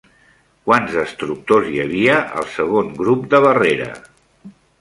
Quants destructors hi havia al Segon Grup de Barrera?